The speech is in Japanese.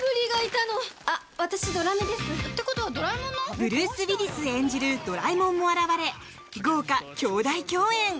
ブルース・ウィリス演じるドラえもんも現れ豪華兄妹共演！